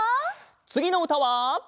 つぎのうたは。